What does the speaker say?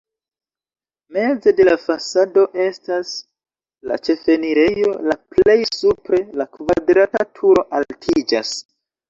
Meze de la fasado estas la ĉefenirejo, la plej supre la kvadrata turo altiĝas.